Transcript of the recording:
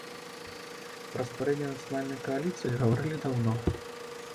Пра стварэнне нацыянальнай кааліцыі гаварылі даўно.